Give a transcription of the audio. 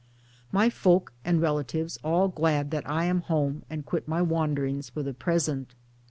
My folk and relatives all 1 glad that I am home and quit my wanderings for the present.